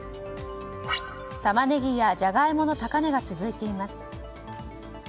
タマネギやジャガイモの高値が続いています。